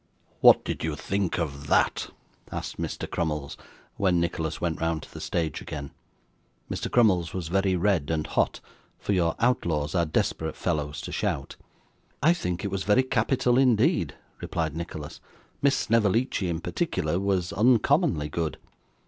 'What did you think of that?' asked Mr. Crummles, when Nicholas went round to the stage again. Mr. Crummles was very red and hot, for your outlaws are desperate fellows to shout. 'I think it was very capital indeed,' replied Nicholas; 'Miss Snevellicci in particular was uncommonly good.